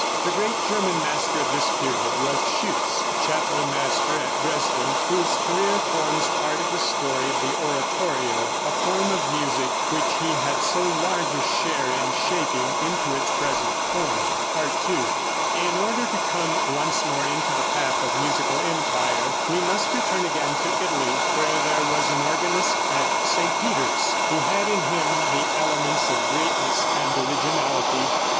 The great German master of this period was Schütz, chapel master at Dresden, whose career forms part of the story of the oratorio, a form of music which he had so large a share in shaping into its present form. [Illustration: Fig. 49. SAMUEL SCHEIDT.] II. In order to come once more into the path of musical empire, we must return again to Italy, where there was an organist at St. Peter's, who had in him the elements of greatness and originality.